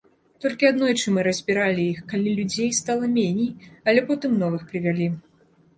Толькі аднойчы мы разбіралі іх, калі людзей стала меней, але потым новых прывялі.